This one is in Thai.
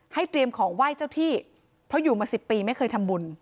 เตรียมของไหว้เจ้าที่เพราะอยู่มา๑๐ปีไม่เคยทำบุญ